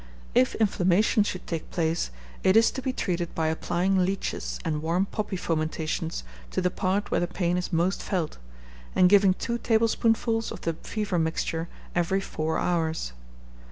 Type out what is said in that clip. If inflammation should take place, it is to be treated by applying leeches and warm poppy fomentations to the part where the pain is most felt, and giving two tablespoonfuls of the fever mixture every four hours.